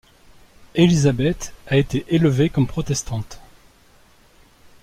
Élisabeth a été élevée comme protestante.